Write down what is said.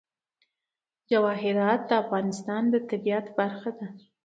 جواهرات د افغانستان د طبیعت برخه ده.